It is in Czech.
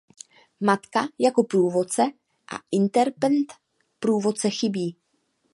Matka jako průvodce a interpret průvodce chybí.